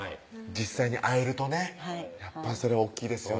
実際に会えるとねやっぱそれは大っきいですよね